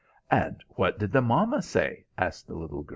"And what did the mamma say?" asked the little girl.